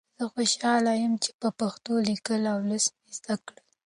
زه خوشحاله یم چې پښتو لیکل او لوستل مې زده کړل.